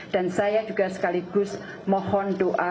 dan saya juga sekaligus mohon doa